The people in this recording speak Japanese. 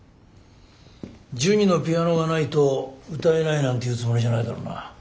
「ジュニのピアノがないと歌えない」なんて言うつもりじゃないだろうな。